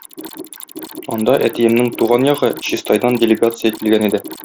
Анда әтиемнең туган ягы - Чистайдан делегация килгән иде.